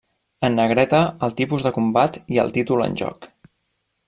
En negreta el tipus de combat i el títol en joc.